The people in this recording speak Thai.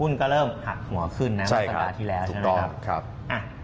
หุ้นก็เริ่มหักหัวขึ้นนะครับสัปดาห์ที่แล้วใช่ครับถูกต้อง